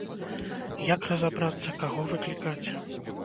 Як разабрацца, каго выклікаць?